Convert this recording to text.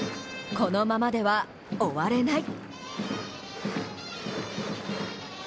このままでは終われない。